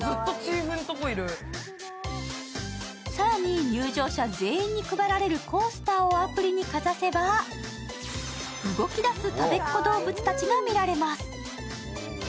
更に入場者全員に配られるコースターをアプリにかざせば動きだすたべっ子どうぶつたちが見られます。